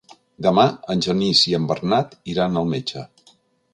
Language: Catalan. Demà en Genís i en Bernat iran al metge.